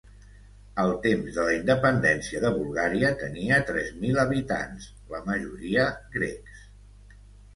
Al temps de la independència de Bulgària tenia tres mil habitants, la majoria grecs.